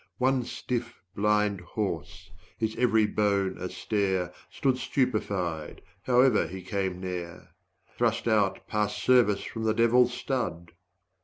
75 One stiff blind horse, his every bone a stare, Stood stupefied, however he came there; Thrust out past service from the devil's stud!